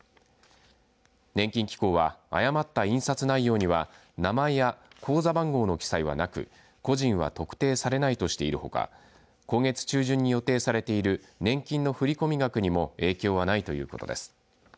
年金機構は誤った印刷内容は名前や口座番号の記載はなく個人は特定されないとしているほか今月中旬に予定されている年金の振込額にも影響ないということです。